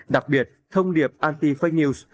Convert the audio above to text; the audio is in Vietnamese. đặc biệt thông điệp anti fake news